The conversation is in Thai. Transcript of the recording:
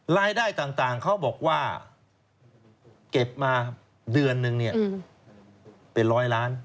รายได้ต่างเขาบอกว่าเก็บมาเดือนนึงเนี่ยเป็นร้อยล้าน